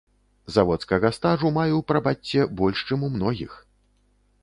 Заводскага стажу маю, прабачце, больш чым у многіх.